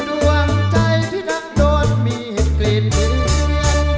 รู้หวังใจที่นางโดนมีเหตุกลีขี้